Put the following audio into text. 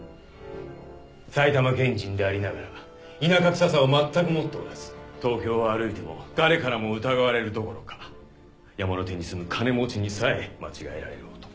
埼玉県人でありながら田舎くささを全く持っておらず東京を歩いても誰からも疑われるどころか山手に住む金持ちにさえ間違えられる男。